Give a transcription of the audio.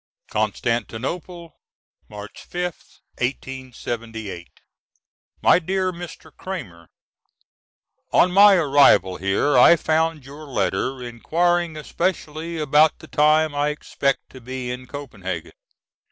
Constantinople, March 5th, '78. MY DEAR MR. CRAMER: On my arrival here I found your letter inquiring especially about the time I expect to be in Copenhagen.